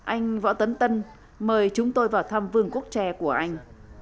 anh võ tấn tân mời chúng tôi vào thăm vườn quốc tre của anh